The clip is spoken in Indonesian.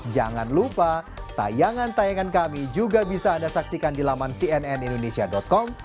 jangan lupa tayangan tayangan kami juga bisa anda saksikan di laman cnnindonesia com